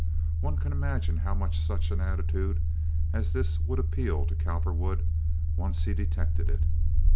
One can imagine how much such an attitude as this would appeal to Cowperwood, once he had detected it.